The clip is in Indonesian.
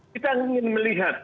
kita ingin melihat